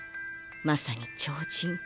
まさに超人。